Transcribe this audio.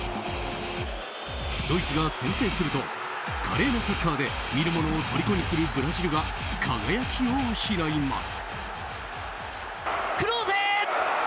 ドイツが先制すると華麗なサッカーで見る者をとりこにするブラジルが輝きを失います。